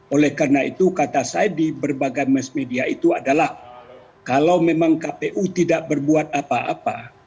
oleh karena itu kata saya di berbagai mass media itu adalah kalau memang kpu tidak berbuat apa apa